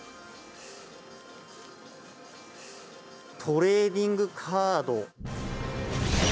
トレーディングカード。